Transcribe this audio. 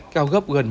cao gấp gần một năm